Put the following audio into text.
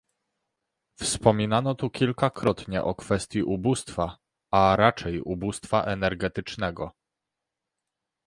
Wspominano tu kilkakrotnie o kwestii ubóstwa, a raczej ubóstwa energetycznego